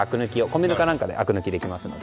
米ぬかなんかでできますので。